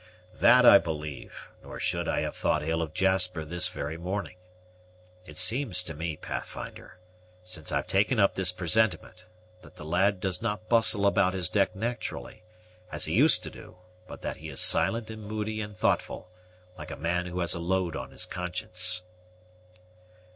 "That I believe; nor should I have thought ill of Jasper this very morning. It seems to me, Pathfinder, since I've taken up this presentiment, that the lad does not bustle about his deck naturally, as he used to do; but that he is silent and moody and thoughtful, like a man who has a load on his conscience."